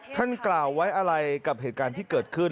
ท่านกล่าวไว้อะไรกับเหตุการณ์ที่เกิดขึ้น